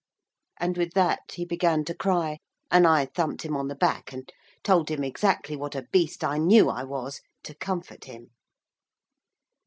And with that he began to cry, and I thumped him on the back, and told him exactly what a beast I knew I was, to comfort him.